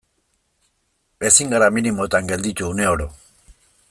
Ezin gara minimoetan gelditu une oro.